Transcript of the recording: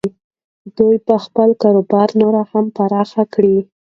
دوی به خپل کاروبار نور هم پراخ کړي.